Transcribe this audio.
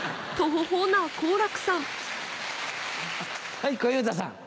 はい小遊三さん。